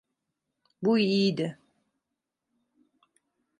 Bu iyiydi.